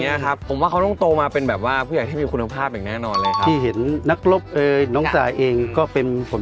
เนี้ยครับผมว่าเขาน่าต้องโตมาเป็นแบบว่าผู้ใหญ่ที่มีคุณภาพ